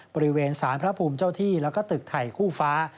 บริเวณสารพระภูมิเจ้าที่แล้วก็ตึกไทยคู่ฟ้า